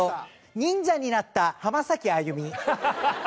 「忍者になった浜崎あゆみ」。